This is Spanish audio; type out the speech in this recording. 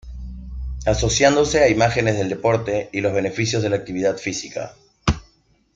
Asociándose a imágenes del deporte y los beneficios de la actividad física.